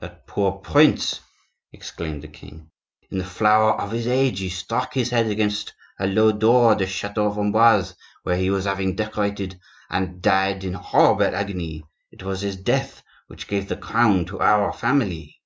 "That poor prince!" exclaimed the king. "In the flower of his age he struck his head against a low door at the chateau of Amboise, which he was having decorated, and died in horrible agony. It was his death which gave the crown to our family."